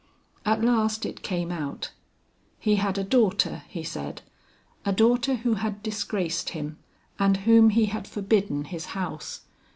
At last it came out. He had a daughter, he said, a daughter who had disgraced him and whom he had forbidden his house.